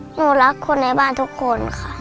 หนูรักคนในบ้านทุกคนค่ะ